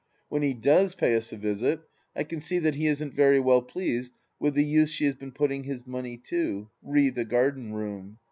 When he does pay us a visit I can see that he isn't very well pleased with the use she has been putting his money to, re the garden room.